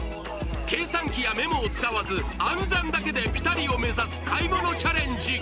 計算機やメモを使わず暗算だけでピタリを目指す買い物チャレンジ